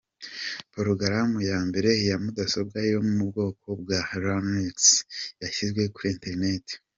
Porogaramu ya mbere ya mudasobwa yo mu bwoko bwa Linux yashyizwe kuri interineti.